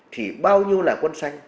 thì bao nhiêu là quân xanh